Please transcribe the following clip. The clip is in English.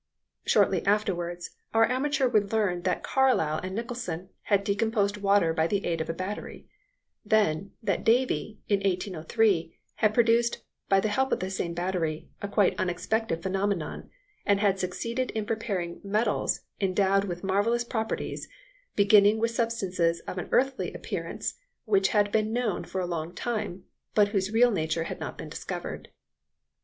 Shortly afterwards, our amateur would learn that Carlisle and Nicholson had decomposed water by the aid of a battery; then, that Davy, in 1803, had produced, by the help of the same battery, a quite unexpected phenomenon, and had succeeded in preparing metals endowed with marvellous properties, beginning with substances of an earthy appearance which had been known for a long time, but whose real nature had not been discovered.